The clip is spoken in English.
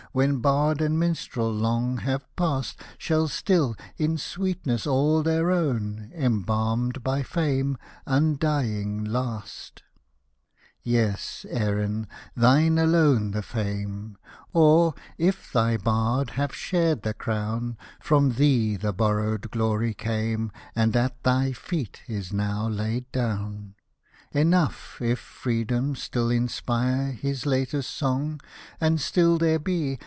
When bard and minstrel long have past. Shall still, in sweetness all their own, Embalmed by fame, undying last. Hosted by Google DEAR HARP OF MY COUNTRY 45 Yes, Erin, thine alone the fame, — Or, if thy bard have shared the crown, From thee the borrowed glory came, And at thy feet is now laid down. Enough, if Freedom still inspire His latest song, and still there be.